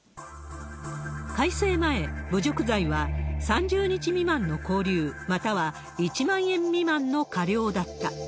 改正前、侮辱罪は３０日未満の拘留、または１万円未満の科料だった。